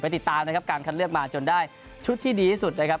ติดตามนะครับการคัดเลือกมาจนได้ชุดที่ดีที่สุดนะครับ